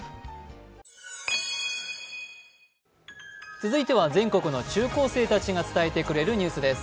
続いて、全国の中高生たちが伝えてくれるニュースです。